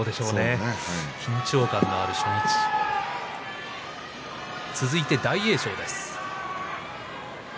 緊張感のある初日続いて大栄翔です。